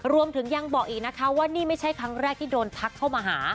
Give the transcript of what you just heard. รวมถึงยังบอกอีกนะคะว่านี่ไม่ใช่ครั้งแรกที่โดนทักเข้ามาหา